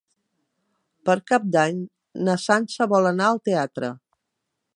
Per Cap d'Any na Sança vol anar al teatre.